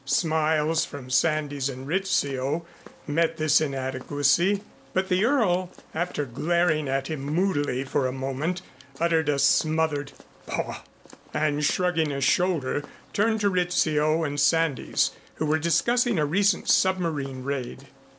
Smiles from Sandys and Rizzio met this inadequacy, but the Earl, after glaring at him moodily for a moment, uttered a smothered, "Paugh," and shrugging a shoulder, turned to Rizzio and Sandys who were discussing a recent submarine raid.